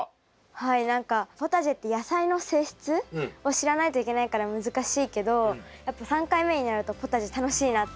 はい何かポタジェって野菜の性質を知らないといけないから難しいけどやっぱ３回目になるとポタジェ楽しいなって思いました。